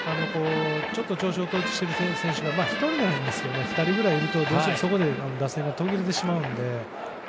ちょっと調子を落としている選手が１人ならいいんですけど２人ぐらいいるとどうしてもそこで打線が途切れてしまうので。